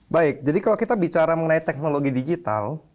baik jadi kalau kita bicara mengenai teknologi digital